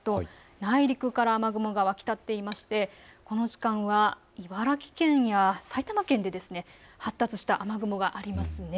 内陸から雨雲が湧き立っていまして、この時間は茨城県や埼玉県で発達した雨雲があります。